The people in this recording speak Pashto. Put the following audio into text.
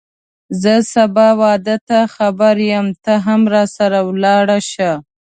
زه سبا واده ته خبر یم ته هم راسره ولاړ شه